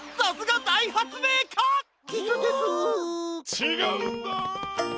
ちがうんだ！